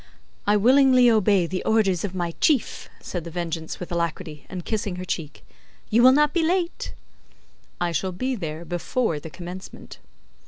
"I willingly obey the orders of my Chief," said The Vengeance with alacrity, and kissing her cheek. "You will not be late?" "I shall be there before the commencement."